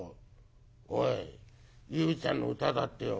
「おい裕ちゃんの歌だってよ。